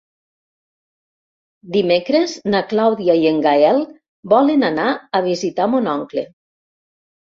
Dimecres na Clàudia i en Gaël volen anar a visitar mon oncle.